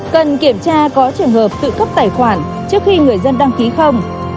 cần kiểm tra có trường hợp tự cấp tài khoản trước khi người dân đăng ký không